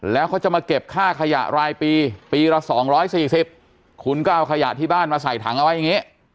แล้วเขาจะมาเก็บค่าขยะรายปีปีละ๒๔๐คุณก็เอาขยะที่บ้านมาใส่ถังเอาไว้อย่างนี้